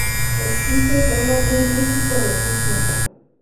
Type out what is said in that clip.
Existe solo un rústico refugio.